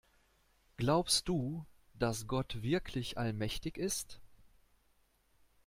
Glaubst du, dass Gott wirklich allmächtig ist?